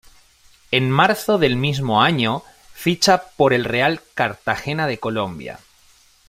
En marzo del mismo año ficha por el Real Cartagena de Colombia.